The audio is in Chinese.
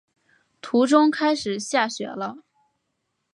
途中开始下雪了